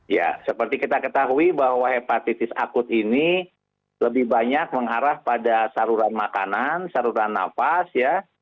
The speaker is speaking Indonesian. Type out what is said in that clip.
ya seperti kita ketahui bahwa hepatitis akut ini lebih banyak mengarah pada saluran makanan saluran nafas ya